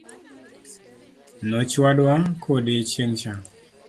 Nochwadwa kodi chieng cha.